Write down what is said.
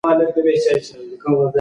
دا مثال تر بل ښه روښانه دی.